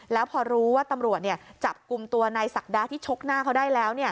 แล้วพอรู้ว่าตำรวจจับกลุ่มตัวนายศักดาที่ชกหน้าเขาได้แล้ว